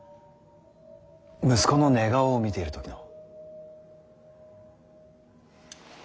息子の寝顔を見ている時の。